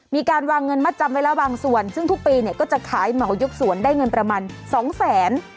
มีการวางเงินมาจำไว้ระหว่างส่วนซึ่งทุกปีก็จะขายเหมายกสวนได้เงินประมาณ๒๐๐๐๐๐บาท